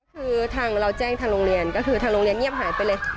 คือทางเราแจ้งทางโรงเรียนก็คือทางโรงเรียนเงียบหายไปเลย